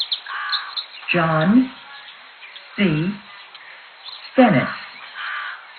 John C. Stennis.